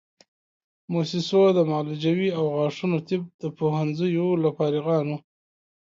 موسسو د معالجوي او غاښونو طب د پوهنځیو له فارغانو